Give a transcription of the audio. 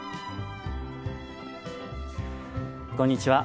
こんにちは。